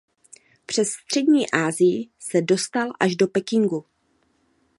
Přes střední Asii se dostal až do Pekingu.